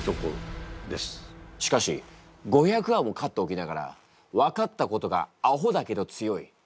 しかし５００わも飼っておきながら分かったことが「アホだけど強い」。